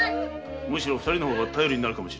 むしろ二人の方が頼りになるかもしれんな。